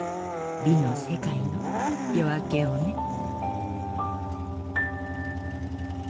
美の世界の夜明けをね。